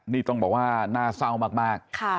นี่ต้องบอกว่าน่าเศร้ามาก